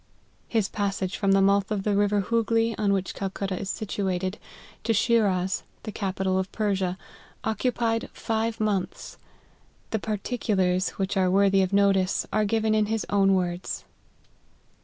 His passage from the mouth of the river Hoogley, on which Calcutta is shifted, to Shiraz, the capi tal of Persia, occupied five months. The particu lars, which are worthy of notice, are given in his own words.